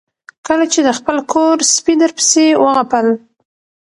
کله چې د خپل کور سپي درپسې وغپل